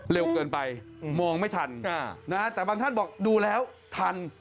เร็วเกินไปมองไม่ทันแต่บางท่านบอกดูแล้วทัน